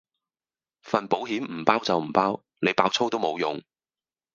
份保險唔包就唔包，你爆粗都冇用